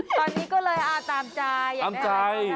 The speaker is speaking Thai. ตอนนี้ก็เลยตามใจ